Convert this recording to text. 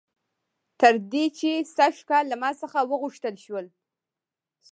تر دې چې سږ کال له ما څخه وغوښتل شول